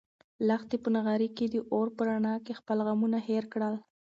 لښتې په نغري کې د اور په رڼا خپل غمونه هېر کړل.